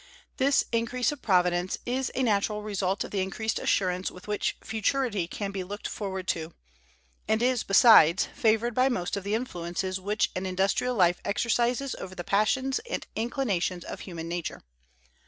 This increase of providence is a natural result of the increased assurance with which futurity can be looked forward to; and is, besides, favored by most of the influences which an industrial life exercises over the passions and inclinations of human nature.